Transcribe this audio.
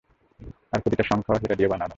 আর প্রতিটা সংখ্যাও হীরা দিয়ে বানানো।